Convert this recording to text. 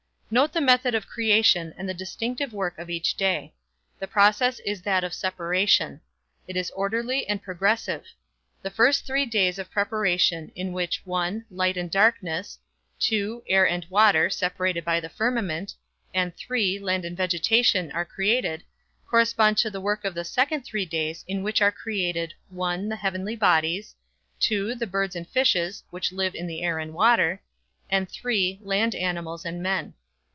Note the method of creation and the distinctive work of each day. The process is that of separation. It is orderly and progressive. The first three days of preparation in which (1) light and darkness, (2) air and water (separated by the firmament) and (3) land and vegetation are created, correspond to the work of the second three days in which are created (1) the heavenly bodies, (2) the birds and fishes (which live in the air and water) and (3) land animals and man.